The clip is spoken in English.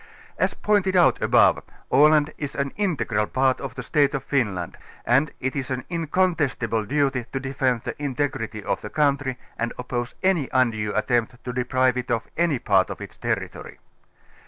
As pointed out above, Aland is an integral part of the State of Finland and it is an incontestible duty to defend the integrity of the country and oppose any undue attempt to deprive it of any part of its territory.